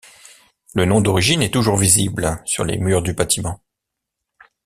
Le nom d'origine est toujours visible sur les murs du bâtiment.